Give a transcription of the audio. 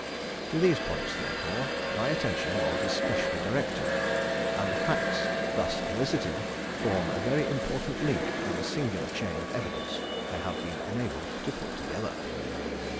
To these points, therefore, my attention was especially directed, and the facts thus elicited form a very important link in the singular chain of evidence I have been enabled to put together.